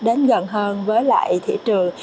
đến gần hơn với lại thị trường